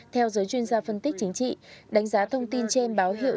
theo giới chuyên gia phân tích chính trị đánh giá thông tin trên báo hiệu